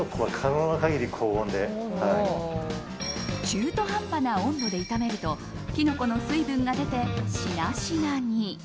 中途半端な温度で炒めるとキノコの水分が出て、しなしなに。